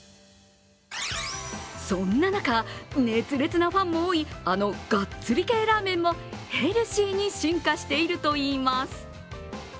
そんな中、熱烈なファンも多いあのがっつり系ラーメンもヘルシーに進化しているといいます。